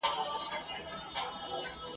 مُلا ډوب سو په سبا یې جنازه سوه !.